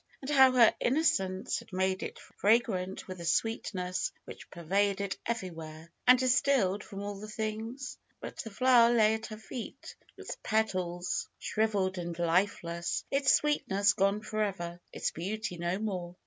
And how her innocence had made it fragrant with a sweet ness which pervaded everywhere, and distilled from all things ! But the fiower lay at her feet; its petals shriv FAITH 24)9 eled and lifeless ; its sweetness gone forever ; its beauty no more.